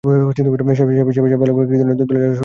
সেবার সে বালক-কীর্তনের দলের যাত্রা শুনিয়াছিলসে কি, আর এ কি!